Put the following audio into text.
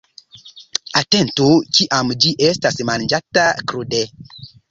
Atentu kiam ĝi estas manĝata krude.